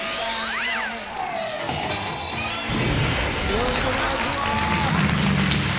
よろしくお願いします。